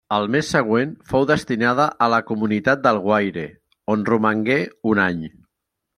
El mes següent fou destinada a la comunitat d'Alguaire, on romangué un any.